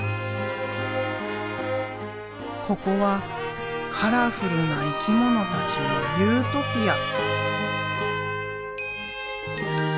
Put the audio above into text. ここはカラフルな生き物たちのユートピア。